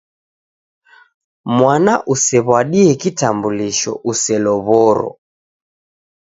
Mwana usew'adie kitambulisho uselow'oro.